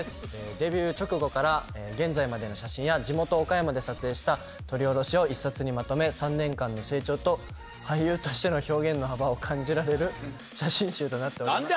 デビュー直後から現在までの写真や地元岡山で撮影した撮り下ろしを１冊にまとめ３年間の成長と俳優としての表現の幅を感じられる写真集となっております。